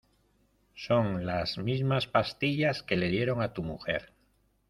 son las mismas pastillas que le dieron a tu mujer